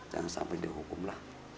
jangan sampai dihukum lah